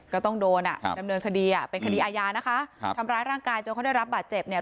ก็ต้องโดนอ่ะดำเนินคดีอ่ะเป็นคดีอาญานะคะครับทำร้ายร่างกายจนเขาได้รับบาดเจ็บเนี่ย